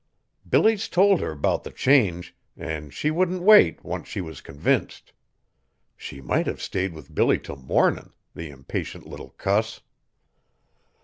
Billy's told her 'bout the change, an' she wouldn't wait, once she was convinced. She might have stayed with Billy till mornin', the impatient little cuss."